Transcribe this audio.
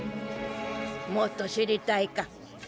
もっと知りたいか？